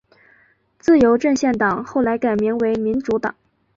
自由阵线党后来改名为民主党。